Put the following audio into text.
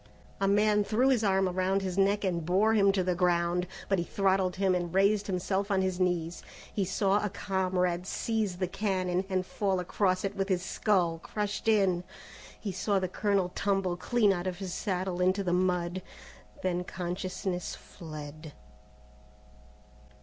A man threw his arm around his neck and bore him to the ground, but he throttled him and raised himself on his knees. He saw a comrade seize the cannon, and fall across it with his skull crushed in; he saw the colonel tumble clean out of his saddle into the mud; then consciousness fled.